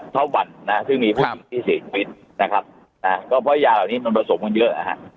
เท่าวันนะซึ่งมีผู้หญิงที่เสียชีวิตนะครับนะก็เพราะยาเหล่านี้มันผสมกันเยอะนะฮะ